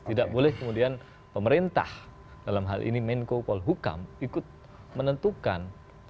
tidak boleh kemudian pemerintah dalam hal ini menko polhukam ikut menentukan